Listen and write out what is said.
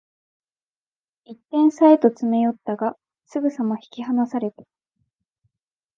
一点差へと詰め寄ったが、すぐさま引き離された